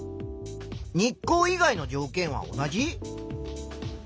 日光以外の条件は同じ？